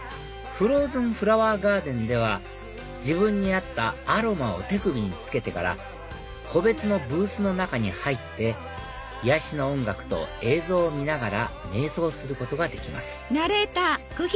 ＦＲＯＺＥＮＦＬＯＷＥＲＧＡＲＤＥＮでは自分に合ったアロマを手首につけてから個別のブースの中に入って癒やしの音楽と映像を見ながら瞑想することができます